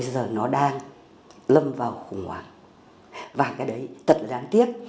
giờ nó đang lâm vào khủng hoảng và cái đấy thật là đáng tiếc